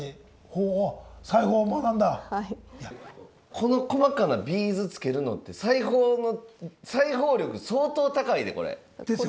この細かなビーズつけるのって裁縫力相当高いでこれ。ですよね。